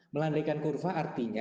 melandaikan kurva artinya